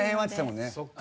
そっか。